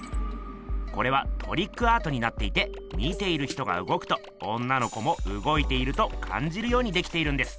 これはトリックアートになっていて見ている人がうごくと女の子もうごいているとかんじるようにできているんです。